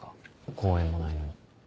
公演もないのに。